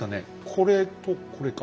これとこれか。